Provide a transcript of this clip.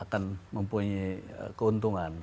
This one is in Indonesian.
akan mempunyai keuntungan